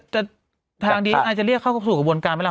แต่ทางนี้อาจจะเรียกเข้าสู่กระบวนการไหมล่ะ